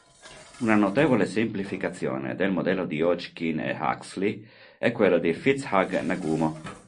Una notevole semplificazione del modello di Hodgkin e Huxley è quello di FitzHugh-Nagumo.